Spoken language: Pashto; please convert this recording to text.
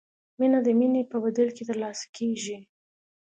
مینه د مینې په بدل کې ترلاسه کیږي.